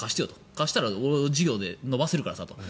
貸したら事業で伸ばせるからさと。